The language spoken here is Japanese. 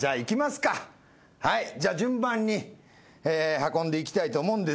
はいじゃあ順番に運んでいきたいと思うんですけど。